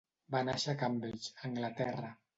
Va nàixer a Cambridge, Anglaterra.